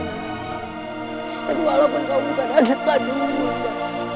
dan walaupun kamu bukan adek adek bunda